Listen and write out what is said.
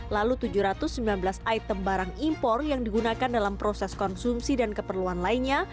lalu tujuh ratus sembilan belas item barang impor yang digunakan dalam proses konsumsi dan keperluan lainnya